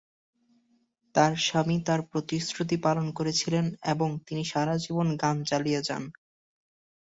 তাঁর স্বামী তাঁর প্রতিশ্রুতি পালন করেছিলেন এবং তিনি সারা জীবন গান চালিয়ে যান।